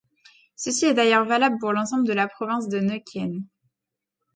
Ceci est d'ailleurs valable pour l'ensemble de la province de Neuquen.